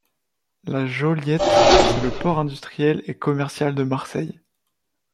La Joliette, c'est le port industriel et commercial de Marseille.